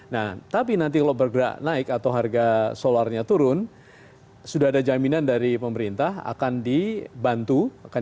nah tapi nanti kalau bergerak naik atau harga solarnya turun sudah ada jaminan dari pemerintah akan dibantu